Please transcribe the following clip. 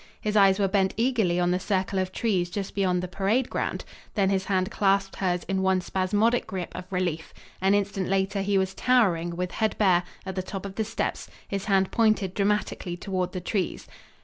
His eyes were bent eagerly on the circle of trees just beyond the parade ground. Then his hand clasped hers in one spasmodic grip of relief. An instant later he was towering, with head bare, at the top of the steps, his hand pointed dramatically toward the trees.